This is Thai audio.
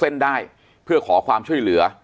อันดับสุดท้าย